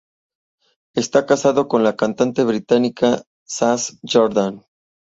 Está casado con la cantante británica Sass Jordan.